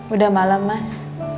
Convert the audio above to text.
udah malem mas